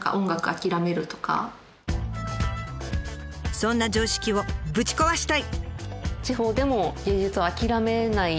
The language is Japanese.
そんな常識をぶち壊したい！